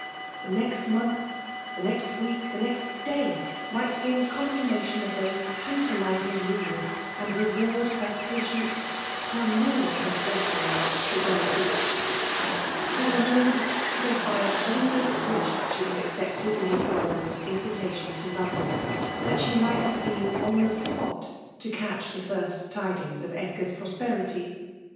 The next month, the next week, the next day, might brmg confirmation of these tantalizing rumours, and reward her 20 FKMALE DOMINATION. patient — ber more than authorized fiflefity ! For a moment, Sophia almost wished she had accepted Lady Botherham's invitation to Lon don^ that she might have been on the spot to eatch the first tidings of Edgar's, prospmty.